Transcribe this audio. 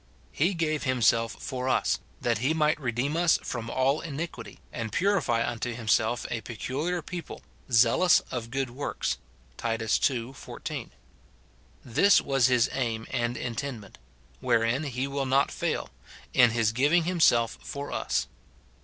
" He gave himself for us, that he might redeem us from all iniquity, and purify unto himself a peculiar people, zealous of good works," Tit. ii. 14. This was his aim and intendment (Avherein he will not fail) in his giving himself for us.